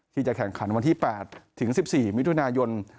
ที่จะแข่งขันวันที่๘ถึง๑๔มิถุนายน